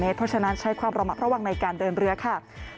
เพราะฉะนั้นใช้ความระมัดระวังในการเดินเรือค่ะ